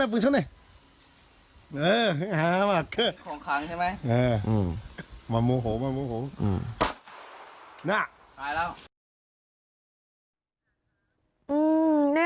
อื้อแน่บรรยากกัน